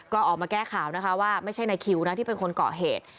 ก็ออกมาแก้ข่าวนะคะว่าไม่ใช่ในคิวนะที่เป็นคนเกาะเหตุ